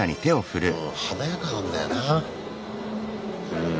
華やかなんだよなうん。